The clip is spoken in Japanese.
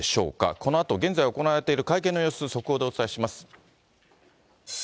このあと現在行われている会見の様子を速報でお伝えします。